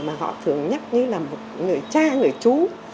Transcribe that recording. mà họ thường nhắc như là một người cha người chú